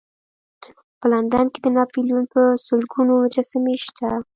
په لندن کې د ناپلیون په سلګونو مجسمې شته.